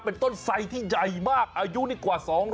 เป็นต้นไสที่ใหญ่มากอายุนี่กว่า๒๐๐